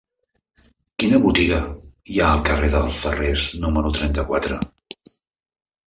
Quina botiga hi ha al carrer dels Ferrers número trenta-quatre?